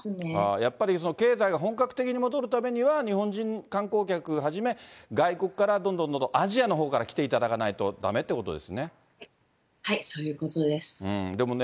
やっぱり経済が本格的に戻るためには、日本人観光客はじめ、外国からどんどんどんどん、アジアのほうから来ていただかないとだめってことですね。